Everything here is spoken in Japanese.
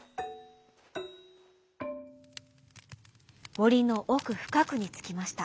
もりのおくふかくにつきました。